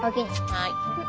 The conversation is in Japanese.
はい。